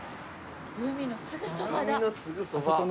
海のすぐそばだ。